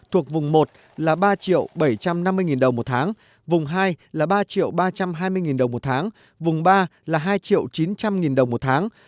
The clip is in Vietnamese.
thuộc vùng một là ba bảy trăm năm mươi đồng một tháng vùng hai là ba ba trăm hai mươi đồng một tháng vùng ba là hai chín trăm linh nghìn đồng một tháng